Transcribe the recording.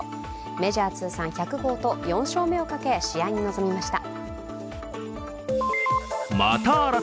メジャー通算１００号と４勝目をかけ、試合に臨みました。